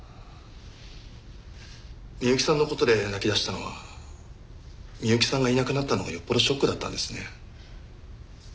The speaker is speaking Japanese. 美雪さんの事で泣き出したのは美雪さんがいなくなったのがよっぽどショックだったんですね。